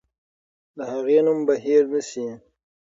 د هغې نوم به هېر نه سي.